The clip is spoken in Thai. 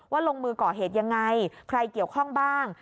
ลงมือก่อเหตุยังไงใครเกี่ยวข้องบ้าง